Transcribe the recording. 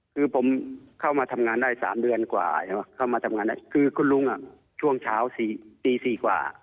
คือผมเข้ามาทำงานได้๓เดือนกว่าเข้ามาทำงานได้คือคุณลุงช่วงเช้าตี๔กว่า